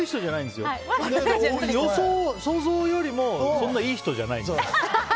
でも、想像よりもそんないい人じゃないんです。